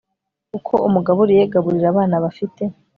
uko umugaburiye gaburira abana bafite